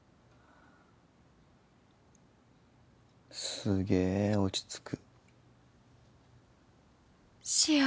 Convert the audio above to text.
すげぇ落ち着く。